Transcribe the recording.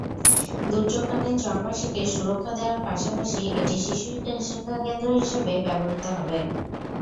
দুর্যোগকালীন চরবাসীকে সুরক্ষা দেওয়ার পাশাপাশি এটি শিশু শিক্ষাকেন্দ্র হিসেবে ব্যবহৃত হবে।